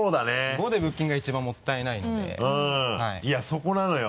５でブッキングは一番もったいないのでいやそこなのよ。